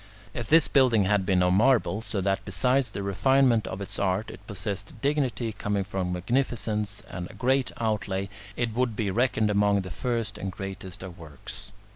If this building had been of marble, so that besides the refinement of its art it possessed the dignity coming from magnificence and great outlay, it would be reckoned among the first and greatest of works.